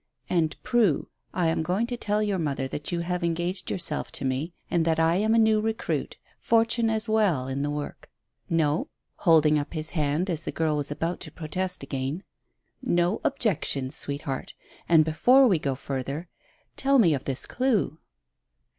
"And, Prue, I am going to tell your mother that you have engaged yourself to me, and that I am a new recruit, fortune as well, in the work. No " holding up his hand as the girl was about to protest again "no objections, sweetheart. And, before we go further, tell me of this clue."